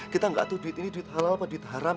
kita nggak tuh duit ini duit halal apa duit haram